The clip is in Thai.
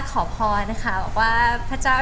ขอพรค่ะว่าพระเจ้า